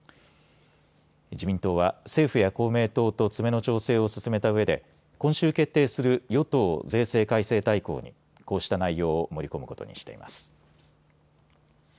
自民党は政府や公明党と詰めの調整を進めたうえで今週決定する与党税制改正大綱にこうした内容を盛り込むことにしています。